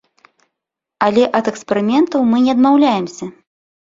Але ад эксперыментаў мы не адмаўляемся!